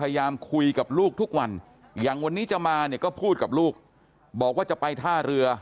อย่างวันนี้จะมาเนี่ยก็พูดกับลูกบอกว่าจะไปท่าเรือ